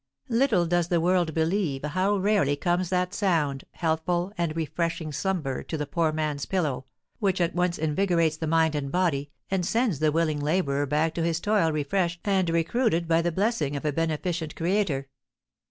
Little does the world believe how rarely comes that sound, healthful, and refreshing slumber to the poor man's pillow, which at once invigorates the mind and body, and sends the willing labourer back to his toil refreshed and recruited by the blessing of a beneficent Creator.